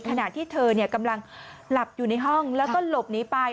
ขณะที่เธอกำลังหลับอยู่ในห้องแล้วก็หลบหนีไป